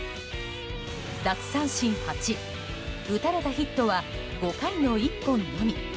奪三振８、打たれたヒットは５回の１本のみ。